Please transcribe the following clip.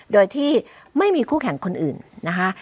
โดยที่ไม่มีคู่แข่งคนอื่นนะคะ